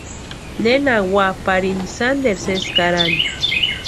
Nena úa parini sánteru sési karani.